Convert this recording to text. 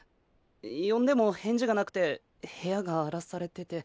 呼んでも返事がなくて部屋が荒らされてて。